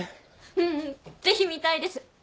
うんうんぜひ見たいです。